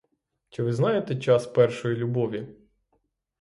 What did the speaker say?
Чи ви знаєте час першої любові?